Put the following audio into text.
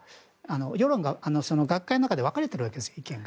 世論が学会の中で分かれているわけです、意見が。